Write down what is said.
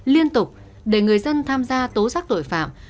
liên tục để người dân tham gia tố giác tội phạm